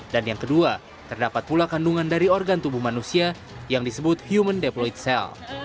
dan yang kedua terdapat pula kandungan dari organ tubuh manusia yang disebut human deployed cell